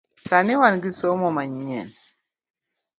Sani wan gi somo manyien